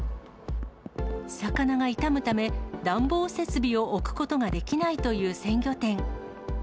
魚が傷むため、暖房設備を置くことができないという鮮魚店。